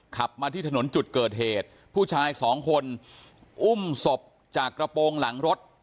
ขับมาที่ถนนจุดเกิดเหตุผู้ชายสองคนอุ้มศพจากกระโปรงหลังรถ